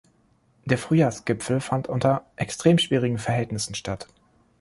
Der Frühjahrsgipfel fand unter extrem schwierigen Verhältnissen statt.